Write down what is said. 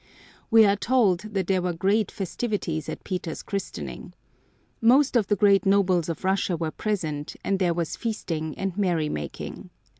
We are told that there were great festivities at Peter's christening. Most of the great nobles of Russia were present and there was feasting and merrymaking.